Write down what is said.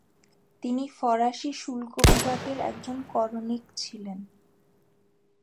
তিনি ফরাসি শুল্ক বিভাগের একজন করণিক ছিলেন।